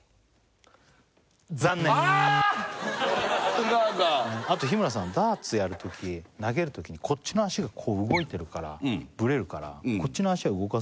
違うんだあと日村さんダーツやるとき投げるときにこっちの足がこう動いてるからブレるからこっちの足はあ